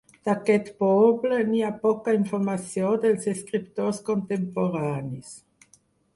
D'aquest poble n'hi ha poca informació dels escriptors contemporanis.